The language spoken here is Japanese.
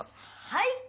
はい！